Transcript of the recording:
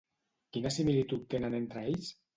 Quina similitud tenen entre ells?